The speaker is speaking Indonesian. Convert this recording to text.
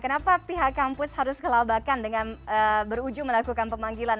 kenapa pihak kampus harus kelabakan dengan berujung melakukan pemanggilan